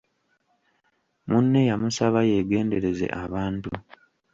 Munne yamusaba yeegendereze abantu.